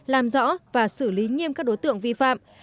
làm rõ và xử lý nghiêm các đối tượng vi phạm